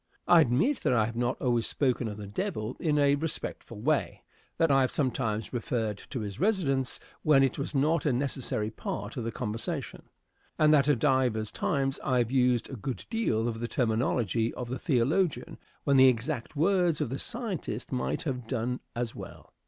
I admit that I have not always spoken of the Devil in a respectful way; that I have sometimes referred to his residence when it was not a necessary part of the conversation, and that a divers times I have used a good deal of the terminology of the theologian when the exact words of the scientist might have done as well.